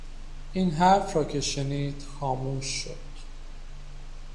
این حرف را که شنید خاموش شد